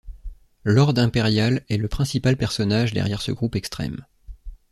Lord Imperial est le principal personnage derrière ce groupe extrême.